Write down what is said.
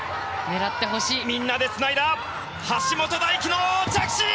みんなでつないだ橋本大輝の着地！